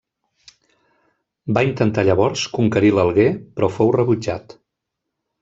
Va intentar llavors conquerir l'Alguer, però fou rebutjat.